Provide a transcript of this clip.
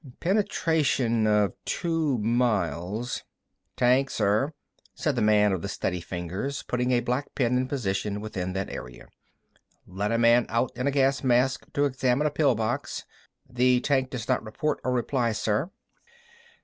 "Penetration of two miles—" "Tank, sir," said the man of the steady fingers, putting a black pin in position within that area, "let a man out in a gas mask to examine a pill box. The tank does not report or reply, sir."